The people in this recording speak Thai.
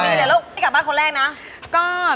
หมวกปีกดีกว่าหมวกปีกดีกว่า